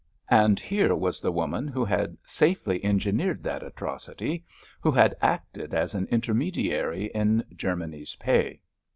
And here was the woman who had safely engineered that atrocity, who had acted as an intermediary in Germany's pay.